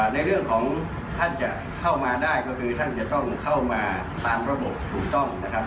ในเรื่องของท่านจะเข้ามาได้ก็คือท่านจะต้องเข้ามาตามระบบถูกต้องนะครับ